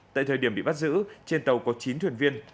tại thời điểm bị bắt giữ trên tàu có chín thuyền viên